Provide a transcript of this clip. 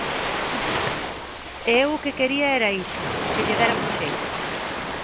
E eu o que quería era iso, que lle deran un xeito.